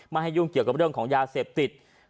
ให้ยุ่งเกี่ยวกับเรื่องของยาเสพติด